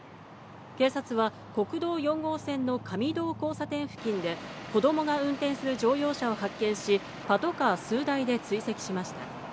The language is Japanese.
警察は国道４号線の上堂交差点付近で子供が運転する乗用車を発見し、パトカー数台で追跡しました。